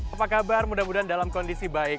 apa kabar mudah mudahan dalam kondisi baik